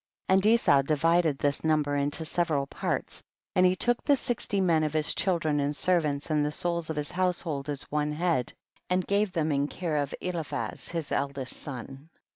66. And Esau divided this num ber into several parts, and he took the sixty men of his children and ser vants and the souls of his household as one head, and gave them in care of Eliphaz his eldest son.